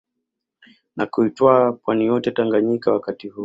Na kuitwaa Pwani yote ya Tanganyika wakati huo